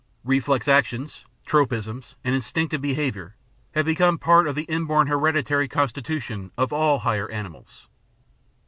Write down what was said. Reflex actions, tropisms, and instinctive be haviour have become part of the inborn hereditary constitution of all higher animals.